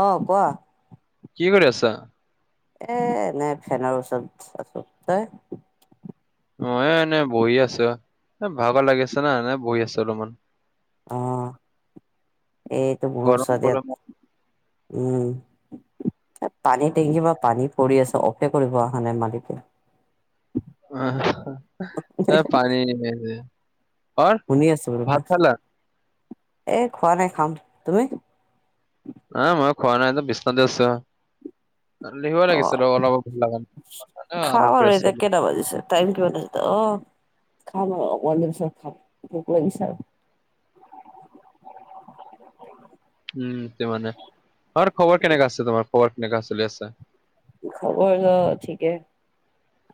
অ কোৱা কি কৰি আছা? এ এনে ফেনৰ ওচৰত আছো। তই? মইও এনেই বহি আছো, এ ভাগৰ লাগি আছে না এনে বহি আছো অলপমান। অ এইটো বহু গৰম ওচৰতে গৰম উম! এ পানী টেংকি পা পানী পৰি আছে, অফে কৰিব অহা নাই মালিকে। অ এ পানী নি শুনি আছো ৰবা! এ খোৱা নাই খাম, তুমি? অ মই খোৱা নাই, বিচনাতে আছো। অ খাম আৰু এতিয়া কেইটা [unintelligible] বাজিছে, টাইম কিমানটা হৈছে? খাম আৰু অকনমান দেৰি পিছত খাম, ভোক লাগিছে আৰু। উম! মানে ঘৰৰ খবৰ কেনেকা আছে তোমাৰ, খবৰ কেনেকা চলি আছে? খবৰ ত ঠিকে,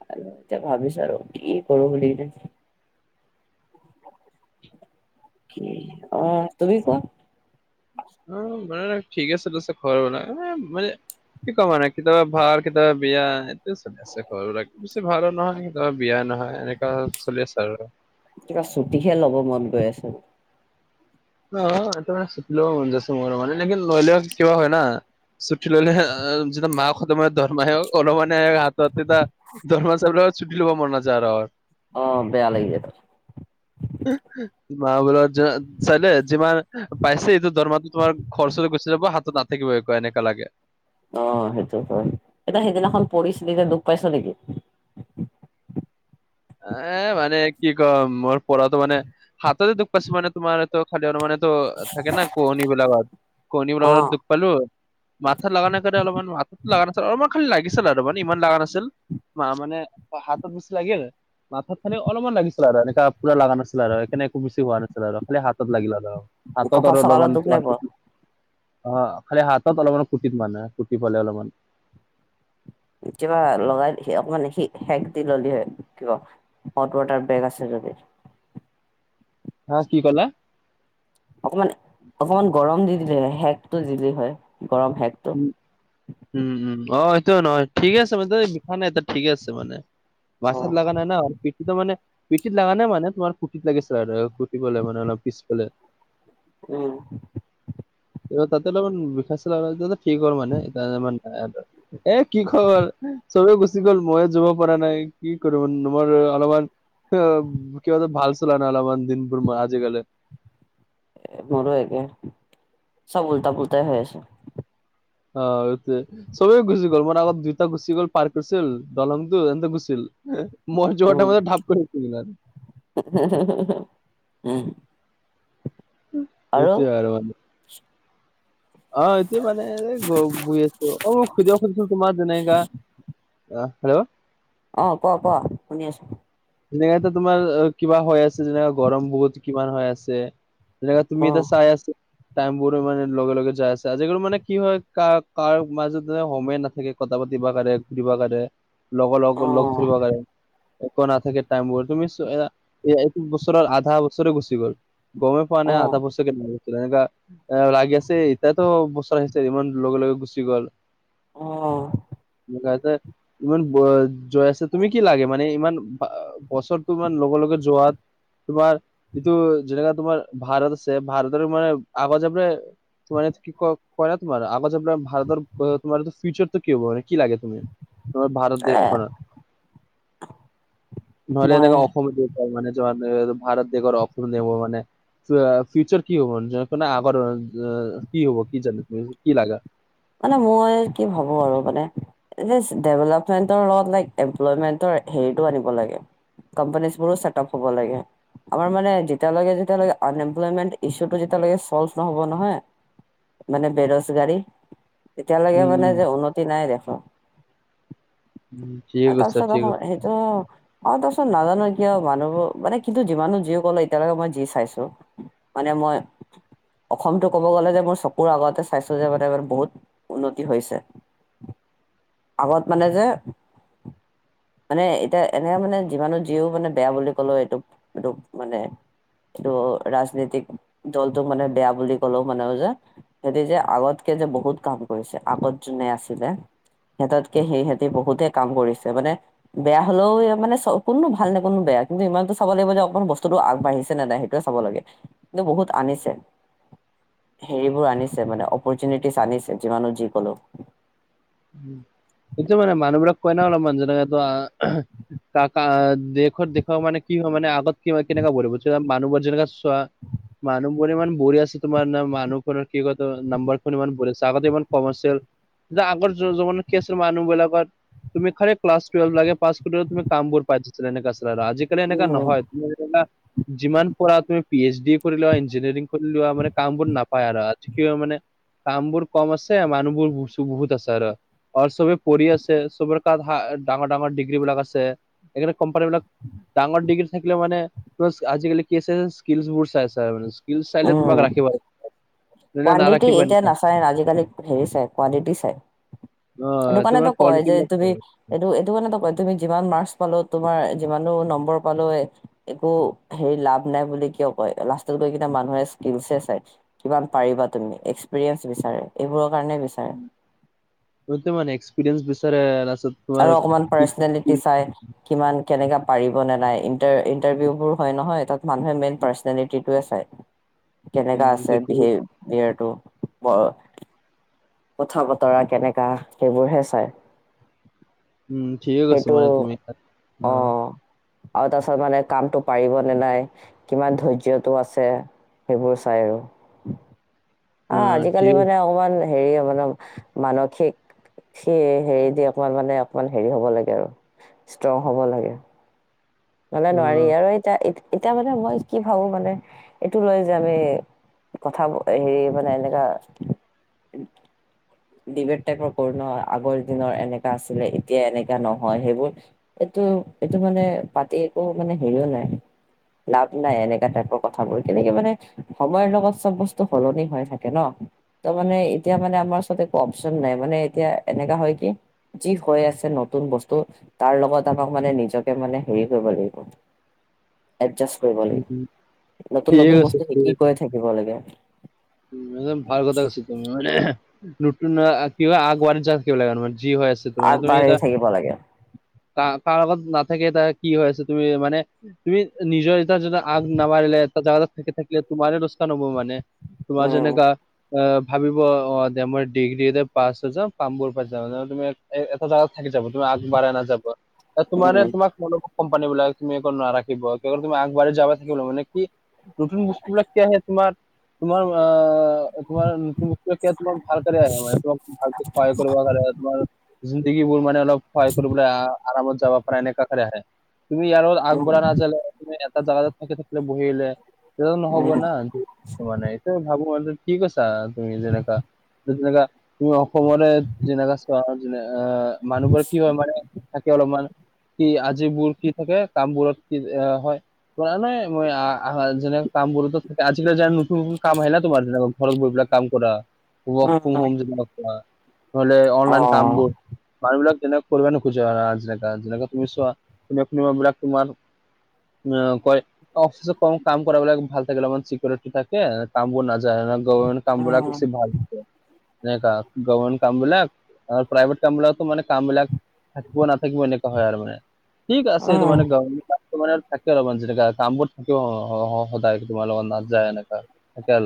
আৰু এতিয়া ভাবিছো আৰু কি কৰো বুলি কিনে। অ, তুমি কোৱা? অ মানে ঠিকে চলি আছে ঘৰ বনাই অ মানে কি কম মানে কেতিয়াবা ভাল কেতিয়াবা বেয়া এইটোয়ে চলি আছে সৰু হুৰাকে বেছি ভালো নহয় কেতিয়াবা বিয়া নহয় এনেকা চলি আছে আৰু কিবা ছুটিহে ল'ব মন গৈ আছে অ এইটো মানে ছুটি লব মন যাইছে ম মানে লেকিন লৈ ললেও কিবা হয় না ছুটি লৈ লৈ যেতিয়া মা খটম হয় দৰমহা হলেমানে আদত এটা দৰমহা হোৱা পিছত ছুটি লব মন নাযায় আৰু অ বেয়া লাগি যায় পাছত [unintelligible] মা বোলৰ চাই দে যিমান পাইছে এইটো দৰমাহাত তোমাৰ খৰচৰে গুচি যাব হাতত না থাকিব একো এনেকা লাগে অ সেইটো হয়। এতিয়া সিদিনাখন পৰিছিলি যে দুখ পাইছ নেকি? এ মানে কি কম মোৰ পঢ়াটো মানে হাততে দুখ পাইছো মানে তোমাৰ এটো খালি আৰু মানে ত থাকে না কোৱনী বিলাগত কোৱনী অ বেলাগত টো পালো মাথাত লগা নাই কাৰণে অলপমান মাথাত লগা নাছিল অলপমান খালি লাগিছিল আৰু মানে ইমান লগা নাছিল মা মানে হাতত বেচি লাগিল মাথাত খানি অলপমান লাগিছিল আৰু এনেকা পুৰা লগা নাছিলে আৰু সেকাৰনে একো বেছি হোৱা নাছিল আৰু খালি হাতত লাগিল আৰু হাতত কঁকাল আৰু চকালত অলপমান দুখ নাই পোৱা অ খালি হাতত অলপমান কুটিত মানে কুটি পালে অলপমান কিবা লগাই অকমান সি সেক দি ললি হয় কিবা হট ৱাটাৰ বেগ আছে যদি হা কি ক'লা? অকমান অকমান গৰম দি দিলে হয় সেকটো দিলি হয় গৰম সেক উম উম অ সেটোয় নহয় ঠিকে আছে মানে বিষা নাই ঠিকে আছে মানে অ মাথাত লাগা নাই ন আৰু পিঠিটো মানে পিটিত লগা নে মানে তোমাৰ কুটিত লাগিছিল আৰু কুটি ফালে মানে অলপ পিছফালে উম তাতে অলপমান বিষাইছিল আৰু এতিয়া যে ঠিক হল মানে এতিয়া ইমান এ কি খবৰ চবে গুচি গল মইয়ে যাব পৰা নাই কি কৰিম নোৱাৰোঁ অলপমান কিবা ভালছিলা ন অলপমান দিনবোৰ ম আজিকালি মোৰো একে চব উল্টা পুলটাই হৈ আছে অ সেটোৱে সবেই গুচি গ'ল অলপমান আগত দেউতাও গুচি গ'ল পাৰ্ক আছিল দলংটো এনকে কছিল মই যোৱাৰ টাইমত ভাগ কৰিল সিদিনা হা হা হা সেইটোৱে আৰু অ এতিয়া মানে এই বহি আছো অ সুধিব খুধিছো তোমাৰ যেনেকা অ হেল্ল' অ ক ক শুনি আছো অনেকাটো তোমাৰ কিবা হৈ আছে যেনেকা গৰম বহুত কিমান হৈ আছে জেগাত তুমি অ এতিয়া চাই আছে টাইম বোৰ মানে লগে লগে যাই আছে আজিকালি মানে কি হয় কাৰ কাৰ মাজত যেনেকে সময়ে নাথাকে কথা পাতিবা কাৰনে ঘূৰিব কাৰনে লগৰ লগ অ লগ ধৰিব কাৰণে একো না থাকে টাইমোৰ তুমি চু এ এইটো বছৰৰ আধা বছৰে গুচি গ'ল গমেই পোৱা নাই অ আধা বছৰ কেনেকে গল তেনেকা এ লাগি আছে এতিয়াতো বছৰ আহিছে, ইমান লগে লগে গুচি গ'ল। অঁ লাগে, ইমান বয় জয় আছে তুমি কি লাগে মানে ইমান আ বছৰ তো ইমান লগে লগে যোৱাত তোমাৰ ইটো যেনেকা তোমাৰ ভাৰত আছে, ভাৰতৰ মানে আগজা পে কয় ন, তোমাৰ কি কয় কৰে তোমাৰ আগত যোৰ ভাৰতৰ তোমাৰ ফিউচাৰটো কি হব মানে কি লাগে তুমি তোমাৰ ভাৰত এ দেশখনত নহলে মই এনেকা অসমটো হব মানে তোমাৰ ভাৰত দেশৰ অসম দেশ মানে। আ ফিউচাৰ কি হব, যকেনে আগৰ অ কি হব কি জানু কি লাগা? মানে মই কি ভাবো আৰু মানে। এনে ই ডেভেলপমেন্টৰ লগত ল এমপ্লয়মেন্টৰ হেৰিতটো আনিব লাগে। কম্পানীজ বোৰো চেটআপ হ'ব লাগে। আমাৰ মানে যেতিয়ালৈকে যেতিয়ালেকে আনএমপ্লয়মেণ্ট ইছুটো যেতিয়াকে চল্ভ নহব নহয় মানে বেৰজগাৰী। এতিয়ালৈকে উম মানে উম যে উন্নতি নাই দেশৰ উম ঠিক আও আছে তাৰপিছত আ ঠিক ত অ তাচোন নাজানো কিয় মানুহবোৰ মানে কিন্তু যিমানো যি কলে এতিয়ালৈকে মই যি চাইছো। মানে মই, অসমতটো ক'ব গ'লে যে মোৰ চকুৰ আগতে চাইচো যে বহুত। উন্নতি হৈছে, আগত মানে যে। মানে এতিয়া এনে মানে যিমানো যিও মানে বেয়া বুলি ক'লেও এইটো এইটোক মানে। ত' ৰাজনীতিক দলটোক মানে বেয়া বুলি ক'লেও মানো যে সেতি যে আগতকে যে বহুত কাম কৰিছে আগত যোনে আছিলে। সেততকে সেইসেতি বহুতে কাম কৰিছে মানে বেয়া হলও মানে চ কোননো ভাল নে কোননো বেয়া কিন্তু ইমানটো চাব লাগিব যে অণমান বস্তুটো আগবাঢ়িছে নাই? সেইটোৱেই চাব লাগে, কিন্তু বহুত আনিছে। হেৰিবোৰ আনিছে মানে, অপৰচুনিটিচ আনিছে যিমানো যি কলো। উম [inaudible] সেইটো মানে মানুহবিলাক কয় ন অলপ মানুহ জনে গাকো আহ। কাকা দেশত দেশৰ মানে কি হয় মানে আগত কি হয় কেনেকা কৰিব মানুহবোৰ যেনেকা চোৱা মানুহবোৰ ইমান বৰি আছে, তোমাৰ ন মানুহখনৰ কিবা কয় নাম্বৰখন ইমান ব আছে আগতে ইমান কমাৰ্চিয়েল। যা আগৰ য জব কি আছিল মানুহবিলাকৰ, তুমি খালি ক্লছ টুৱেলভ লাগে পাছ কৰিলে তুমি কাম বোৰ পাইগৈছিলা এনেকা আছিল। আৰু, আজিকালি এনেকা উম নহয় তুমি যেনেকা যিমান পঢা তুমি, পি এইচ ডি কৰি লোৱা ইঞ্জিনিয়াৰিং কৰি লোৱা মানে কামবোৰ নাপায় আৰু আজি ত মানে কাম বোৰ কম আছে মানুহ বোৰ বহুত আছে আৰু। আৰু চবে পঢ়ি আছে, চবৰ কাৰহা ডাঙৰ ডাঙৰ ডিগ্ৰী বিলাক আছে। এইকাৰণে কোম্পানী বিলাক ডাঙৰ ডিগ্ৰী থাকিলে মানে বচ, আজিকালি চাইছে, স্কিল বোৰ চাই চাই মানে। স্কিলচ চাইলে তোমাক উম, ৰাখিব নে কোৱানডিটি নাৰাখিব এতিয়া এনেকুৱা নাচায় আজিকালি হেৰি চাই কোৱালিটি চাই সেইটো অ' তোমাৰ কাৰনেতো কয় কোৱালিটি যে বিলাক তুমি চাই, এইটো এইটো কথাটো কয় তুমি যিমান মাৰ্কচ পালো তোমাৰ যিমানো নম্বৰ পালো একো হেৰি লাভ নাই বুলি কিয় কয়? লাষ্টত গৈ কি মানুহে স্কিলচ হে চায়, কিমান পাৰিবা তুমি? এক্সপিৰিয়েনচ বিচাৰে এইবোৰৰ কাৰণে বি এইটো মানে এক্সপিৰিয়েন্ঞ্চ বিচাৰে লাচতত আৰু অকমান পাৰ্চনেলিটি চাই কিমান কেনেকা পাৰিব নে নাই ইাৰ ইণ্টাৰভিউ বোৰ হয় নহয় তাত মানুহে মেইন পাৰ্চনেলিটিোৱে চায়। [inaudible] কেনেকা আছে সেইটো বি বিটো [unintelligible] কথা বতৰা কেনেকা সেইবোৰ হে চাই। উম, ঠিকেই কৈছা সেইটো মানে তুমি অ' আৰু তাৰপাছত মানে কামতটো পাৰিব নে নাই, কিমান ধৈৰ্যটো আছে। সেইবোৰ চাই আৰু, আহ অ', ঠিক আজিকালি মানে অকমান। হেৰি মানে মানসিক। সি হেৰি দি অকমান মানে অকমান হেৰি হ'ব লাগে আৰু ষ্ট্ৰং হ'ব লাগে। মানে নোৱাৰি অ', আৰু এতিয়া- এতিয়া মানে মই কি ভাবো মানে এইটো লৈ যামে। কথা হেৰি মানে এনেকা। ডিবেট টাইপৰ কৰো নহ, আগৰ দিনৰ এনেকা আছিলে এতিয়া এনেকা নহয় সেইবোৰ। এইটো - এইটো মানে পাতি একো মানে হেৰিও নাই। লাভ নাই এনেকা টাইপৰ কথাবোৰ কেনেকে মানে সময়ৰ লগত চব বস্তু সলনি হৈ থাকে ন? তাৰ মানে এতিয়া মানে আমাৰ ওচৰত একো অপচন নাই মানে এতিয়া এনেকা হয় কি। যি হৈ আছে নতুন বস্তু তাৰ লগত আমাক মানে নিজকে মানে হেৰি কৰিব লাগিব। [inaudible] এডজাষ্ট কৰিব লাগিব, উম, নতুন- ঠিক নতুন আছে বস্তু ঠিক আছে। শিকি গৈ থাকিব লাগে। একদম ভাল কথা কৈছা তুমি মানে। নতুন কি হয় আগ বাঢ়ি যাও কেলে মানে যি হয় আছে তুমি আগবাঢ়ি এটা। থাকিব লাগে [unintelligible] কাৰ- কাৰ লগত নাথাকে তাৰ কি হৈ আছে তুমি মানে। তুমি নিজৰ এতিয়া যদি আগ নাবাঢ়িলে এটা জোগাতোত থাকে থাকিলে তোমাৰ লোকচান হব মানে। তোমাৰ উম যেনেকা। অ' ভাবিব অ দে মই ডিগ্ৰীত পাছ হৈ যাও পামবোৰ প যাওঁ ন [unintelligible] তুমি। এই এটা জাগগাত থাক যাব তুমি আগবাঢ়াই ন যাবা [unintelligible] তোমাৰে উম তোমাক মানে কোম্পানী বিলাক তুমি একো নাৰাখিব তুমি আগবাঢ় যাব থাকিব মানে। কি নতুন বস্তু বিলাক কি আহে তোমাৰ। তোমাৰ অ' তোমাৰ নতুন তোমাৰ ভালক আহে মানে তোমাক। ভালক ক্ষয় কৰিবা ঘাৰে তোমাৰ [unintelligible] জিন্দগী বোৰ মানে অলপ সহায় কৰিবলৈ আৰামত যাব পাৰে এনেক কাষৰে আহে। তুমি ইয়ো উম আগবঢ়া না জালে তুমি এটা জাগাতে থাকে থাকিলে বহিলে [unintelligible] সেইটোতো নহ'ব উম না। মানে ত ভাবো মান ঠিক আৈছা তুমি যেনেকা যেনেকা [unintelligible] তুমি অসমৰে যেনেকা চোৱা। অ' মানুহবোৰে কি হয় মানে থাকে অলপমান। কি আজিবোৰ কি থাকে কামবোৰত কি হয়। কৰা নাই মই, আহা যেনে কাম বোৰতো। আজিলৈ যানো। কাম হয় ন তোমাৰ ঘৰত বহি বিলাক কাম কৰা ৱৰ্ক ফ্ৰ উম হম কৰা [unintelligible] নহলে অ অনলাইন কামবোৰ। মানুহবিলাক যেনেকৈ কৰিব নোখোজে আৰু যেনেকুৱা তুমি চোৱা মানুহবিলাক তোমাৰ। উম কয় অফিচত কাম কৰাবিলাক ভাল থাকিলে তোমাৰ চিকিউৰিটি থাকে। কামবোৰ না যায় ন গ কামবোৰক উম বেছি ভাল [unintelligible] একা গবৰমেণ্ট কাম বিলাক আৰু প্ৰাইভেট কাম বিলাকতো মানে কাম বিলাক থাকিব নাথাকিব এনেকুৱা। হয় আৰু মানে ঠিক আছে এইটো উম মানে গ তোমাৰে থাকে অলপমান যেনেকা কামবোৰ থাকিব সদায় তোমাৰ লগত না যায় এনেকা হ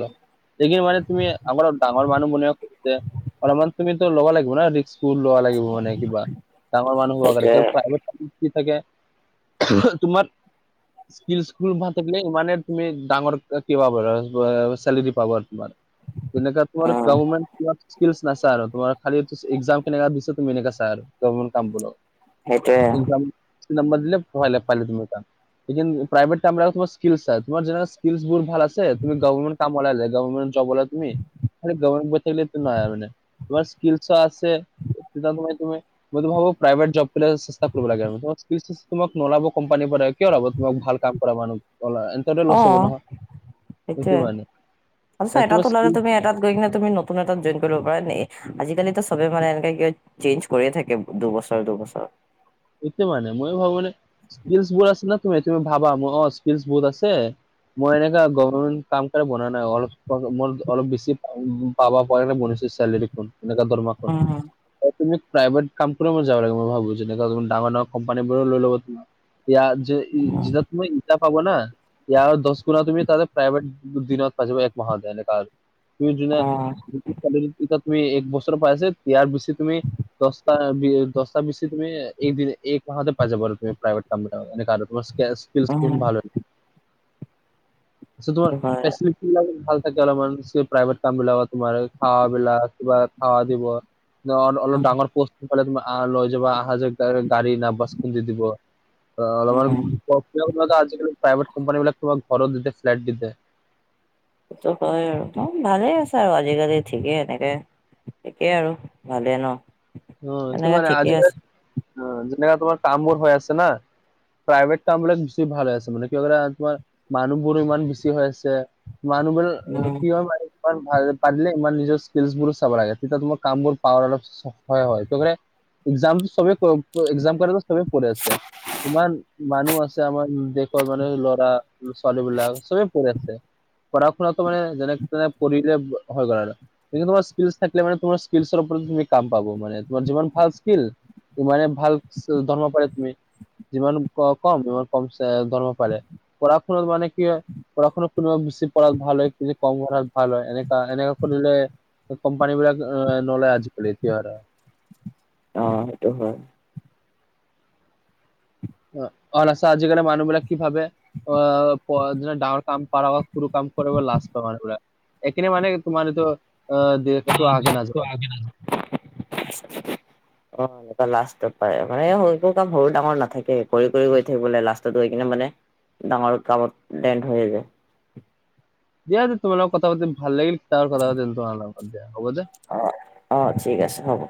দেখিন মানে তুমি আমাৰ ডাঙৰ মানুহ মনে অলপমান তুমি তো ল'ব লাগিব না ৰিস্ক ফুল ল'ব লাগিব মানে কিবা ডাঙৰ মানুহ হ'বা সেইটোৱে কাৰণে প্ৰভ কি কি থাকে তোমাৰ স্কিল স্কিল ভাল থাকিলে ইমানে তুমি ডাঙৰ কিবা চেলেৰী পাব আৰু তোমাৰ যেনে তোমাৰ উম গা স্কিলচ নাচাই তোমাৰ খালি এক্সাম কেনেককা দিছে তুমি এনেকা চাই আৰু কাম সেইটোৱে এক্সাম বেছি নাম্বাৰ দিলে ভয় নাপালোঁ তেনেককা লেকিন প্ৰাইভেটৰ কামবিলাকত স্কিল তোমাৰ যে স্কিল বোৰ ভাল আছে তুমি গভৰ্মেণ্ট কাম পালা যে গভৰ্মেণ্ট জব হলে তুমি [unintelligible] মই তো ভাবো প্ৰাইভেট জববিলাকো চেষ্টা কৰিব লাগে নলাব কোম্পানী পৰা কিয় দিব তোমাক ভাল কাম কৰা মানুহ অ এ লছ হ'ব নহয় সেইটো ঠিকে মানে আছা এটাত তোমাৰ স্কিল ওলালে তুমি এতাত গৈ তুমি নতুন এটাত জইন কৰিব পাৰা নে আজিকালিতো চবে মানে এনেকে কি চেঞ্জ কৰিয়ে থাকে দুবছৰ দুবছৰ ইটো মানে মই ভাবো মানে স্কিলবোৰ আছে ন তুমি তুমি ভাবা অ স্কিল বহুত আছে মই এনেকাে গভমেণ্ট কাম কৰি বনা নাই অলপ মোৰ অলপ বেছি পাবা প নে বনৰ চালেৰিখন এনেকা দৰমাখন অ', তুমি প্ৰাইভেট কাম কৰি মই যাব লাগে মই ভাবো যেনেকা ডাঙৰ ডাঙৰ কোম্পানী বোৰো লৈ ল'ব তোমাৰ ইয়াত যে উম, উম, যিমান তোমাৰ পাব ন ইয়াৰ দহ গুণা তুমি তাতে প্ৰাইভেট দিনত পাব এক মাহতে এনেকা তুমি যোনা এতিয়া তুমি এক বছৰ পাই আছে ইয়াৰ বেছি তুমি দহটা দহটা বেছি তুমি এক মাহতে পাই যাবা তুমি প্ৰাইভেট কাম স্কেয়াৰ স্কিল উম, ভাল আ তোমাৰ সেইটো হয়, এছপিফিক ভাল থাকে অলপমান প্ৰাইভেট কাম বিলাক তোমাৰ খাৱাবিলাক কিবা খাৱা দিব অলপ উম, ডাঙৰ পস্তু পালে তোমাৰ আহ লৈ যাবা আহা যোৱা গাডী না বাছ খোন দি দিব অলপমান উম। আজিকালি প্ৰাইভেট কোম্পানী বিলাক কামক ঘৰো দিছে ফ্লট দিছে। সেইটো হয় আৰু ভালে আছে আৰু আজিকালি ঠিকেই এনেকে তাকেই আৰু ভালে ন উম তটো এনেকে মানে ঠিকে আজি আছে যেনেকা তোমাৰ কামবোৰ হৈ আছে না প্ৰাইভেট কাম বিলাক বেছি ভাল হৈ আছে মানে ক ক তোমাৰ মানুহবোৰো ইমান বেছি হৈ আছে মানুহবোৰ উম, কি হয় মাৰি ইমান ভাল পাৰিলে ইমান নিজৰ স্কিলছ বোৰ চাব লাগে তেতিয়া তোমাৰ কাম বোৰ পাৱাৰ অলপ হয় হয় এক্সাম চবেই এক্সাম কৰে চবেই পঢ়ি আছে ইমান মানুহ আছে আমাৰ দেশৰ মানুহ ল'ৰা ছোৱালী বিলাক চবেই পঢ়ি আছে পঢ়া শুনাতো মানে যেনে কৰিলে হৈ গল আৰু কি তোমাৰ স্কিল থাকে মানে তোমাৰ স্কিল ওপৰত তুমি কাম পাব মানে তোমাৰ যিমান ভাল স্কিল সিমানে ভাল দৰমহা পাৰে তুমি যিমান ক কম সিমান কম ধৰব পাৰে পঢ়া শুনাত মানে কি হয় পঢ়া শুনাত কোনোবা বেছি পঢ়াত ভাল হয় কনে কম পঢ়াত ভাল হয় এনেকা এনেককা কৰিলে কোম্পানী বিলাক নলয় আজিকালি এতিয়া হা অ সেইটো হয়। অ অল আচা আজিকালি মানুহবিলাক কি ভাবে অ ডাঙৰ কাম পোৱা আগত সৰু কাম কৰিব লাজ কৰে মানে পোৰা এখনে মানে তোমাৰতো অ দিৰেকটো আগে নাযায় অ লাষ্টত পাই মানে কোনোটো কাম সৰু ডাঙৰ নাথাকে কৰি কৰি গৈ থাকিব লাগে লাষ্টত গৈ কিনে মানে ডাঙৰ কামত ডেণ্ড হৈ যায় দিয়া দে তোমাৰ লগত কথা পাতি ভাল লাগিল ত কথা পাতিম তোমাৰ লগত দিয়া হব দে অ অ ঠিক আছে হ'ব